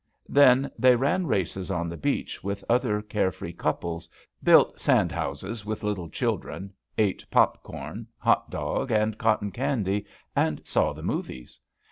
Then they ran races on the beach with other carefree couples, built sand houses with little children, ate popcorn, "hot dog" and cotton candy and saw the movies.